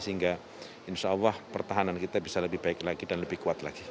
sehingga insya allah pertahanan kita bisa lebih baik lagi dan lebih kuat lagi